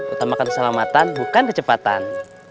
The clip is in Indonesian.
utamakan keselamatan bukan kecepatan